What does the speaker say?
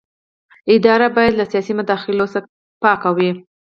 اداره باید له سیاسي مداخلو څخه پاکه وي.